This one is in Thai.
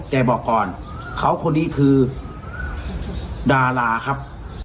บอกก่อนเขาคนนี้คือดาราครับ